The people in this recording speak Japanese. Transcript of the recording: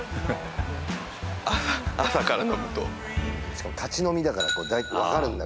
しかも立ち飲みだから分かるんだ